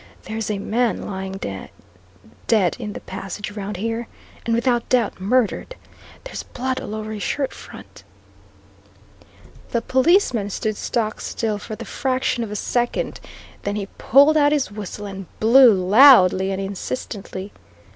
"There's a man lying dead in the passage round here. And without doubt murdered! There's blood all over his shirt front." The policeman stood stock still for the fraction of a second. Then he pulled out his whistle and blew loudly and insistently.